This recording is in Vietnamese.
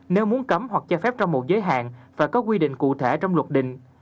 nếu muốn cấm hoặc cho phép trong một giới hạn phải có quy định cụ thể trong luật định